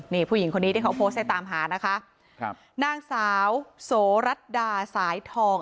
นี่ผู้หญิงคนนี้ที่เขาโพสต์ให้ตามหานะคะครับนางสาวโสรัตดาสายทอง